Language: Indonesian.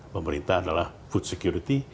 pemerintah adalah food security